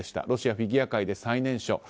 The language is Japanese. ロシアフィギュア界で最年少。